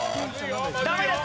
ダメです！